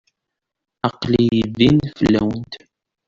Aql-iyi din fell-awent.